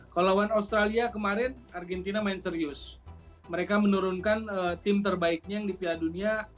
kalau lawan australia kemarin argentina main serius mereka menurunkan tim terbaiknya yang di piala dunia